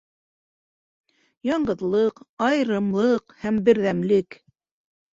Яңғыҙлыҡ, айырымлыҡ һәм берҙәмлеҡ